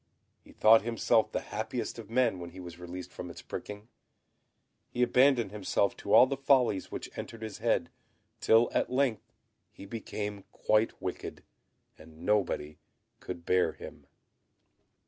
He thought himself the happiest of men when he was released from its pricking. He abandoned himself to all the follies which entered his head, till at length he became quite wicked, and nobody could bear him.